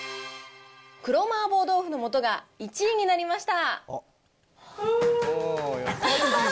黒麻婆豆腐の素が１位になりました。